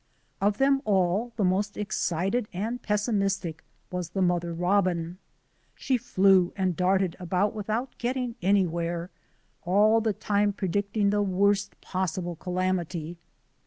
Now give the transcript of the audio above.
Of them all, the most excited and pessimistic was the mother robin. She flew and darted about without getting anywhere, all the time predicting the worst possible calamity.